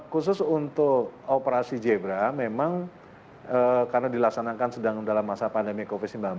khusus untuk operasi zebra memang karena dilaksanakan sedang dalam masa pandemi covid sembilan belas